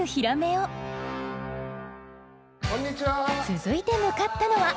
続いて向かったのは。